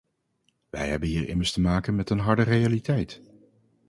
Wij hebben hier immers te maken met een harde realiteit.